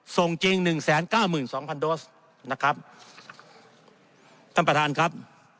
ส่งจริงหนึ่งแสนเก้าหมื่นสองพันโดสนะครับท่านประธานครับ